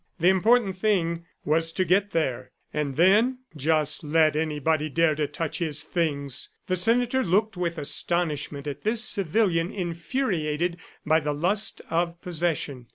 The important thing was to get there, and then just let anybody dare to touch his things! ... The senator looked with astonishment at this civilian infuriated by the lust of possession.